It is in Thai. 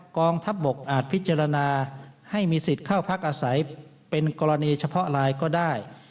กองทัพบกอาจพิจารณาให้มีสิทธิ์เข้าพักอาศัยเป็นกรณีเฉพาะไลน์ก็ได้